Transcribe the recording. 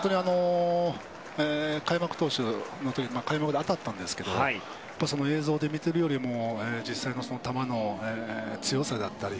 開幕投手の時開幕で当たったんですけど映像で見てるよりも実際の球の強さだったり